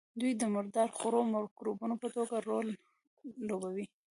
دوی د مردار خورو مکروبونو په توګه رول لوبوي.